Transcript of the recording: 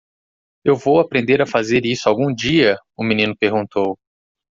"Eu vou aprender a fazer isso algum dia??", O menino perguntou.